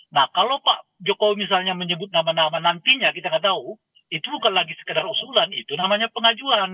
nah kalau pak jokowi misalnya menyebut nama nama nantinya kita nggak tahu itu bukan lagi sekedar usulan itu namanya pengajuan